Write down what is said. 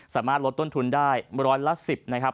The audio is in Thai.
สามารถลดต้นทุนได้ร้อยละ๑๐นะครับ